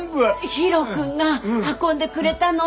ヒロ君が運んでくれたの。